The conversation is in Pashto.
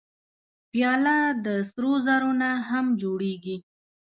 پیاله د سرو زرو نه هم جوړېږي.